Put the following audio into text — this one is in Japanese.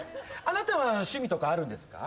あなたは趣味とかあるんですか？